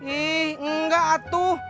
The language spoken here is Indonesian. ih enggak atuh